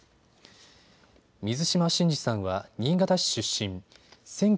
水島新司さんは新潟市出身。